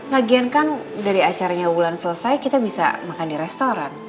lagian kan dari acaranya bulan selesai kita bisa makan di restoran